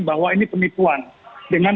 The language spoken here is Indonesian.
bahwa ini penipuan dengan